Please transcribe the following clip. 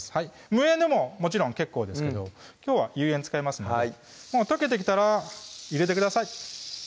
無塩でももちろん結構ですけどきょうは有塩使いますので溶けてきたら入れてください